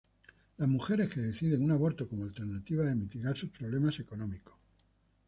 Las mujeres que deciden un aborto como alternativa de mitigar sus problemas económicos.